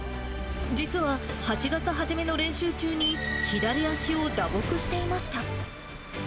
実は、８月初めの練習中に、左足を打撲していました。